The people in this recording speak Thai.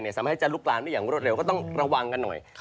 สามารถให้จะลุกลามได้อย่างรวดเร็วก็ต้องระวังกันหน่อย